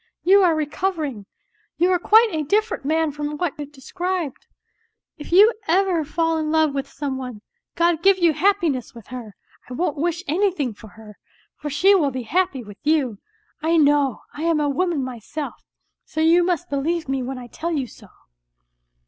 You are recovering, you are quite a different man from what you de scribed. If you ever fall in love with some one, God give you happiness with her ! I won't wish anything for her, for she will be happy with you. I know, I am a woman myself, so you must believe me when I tell you so.'"